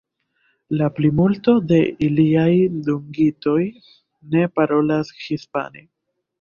La plimulto de iliaj dungitoj ne parolas hispane.